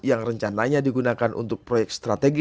yang rencananya digunakan untuk proyek strategis makassar newport